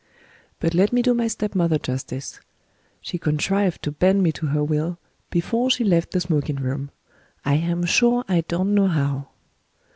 But let me do my step mother justice. She contrived to bend me to her will, before she left the smoking room I am sure I don't know how.